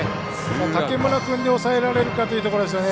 竹村君で抑えられるかというところですよね。